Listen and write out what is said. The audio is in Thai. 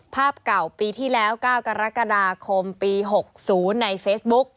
ภาพเก่าปีที่แล้ว๙กรกฎาคมปี๖๐ในเฟซบุ๊ก